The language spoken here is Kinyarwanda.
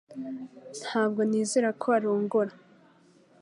Ntabwo nizera ko arongora